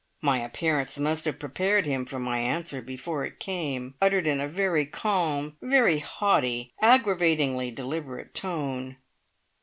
My appearance must have prepared him for my answer before it came, uttered in a very calm, very haughty, aggravatingly deliberate tone.